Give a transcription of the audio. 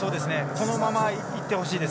このままいってほしいです。